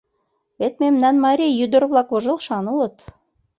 Вет мемнан марий юдур-влак вожылшан улыт.